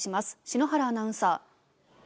篠原アナウンサー。